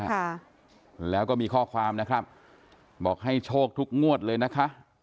ค่ะแล้วก็มีข้อความนะครับบอกให้โชคทุกงวดเลยนะคะ